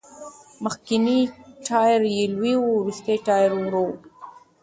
مخکېنی ټایر یې لوی و، وروستی ټایر وړه و.